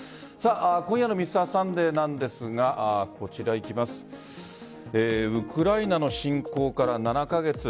今夜の「Ｍｒ．サンデー」なんですがウクライナの侵攻から７カ月。